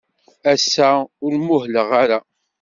Ass-a, ur muhleɣ ara.